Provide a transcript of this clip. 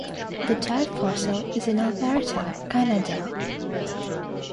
The type fossil is in Alberta, Canada.